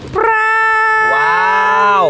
ปลาว้าว